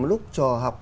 lúc trò học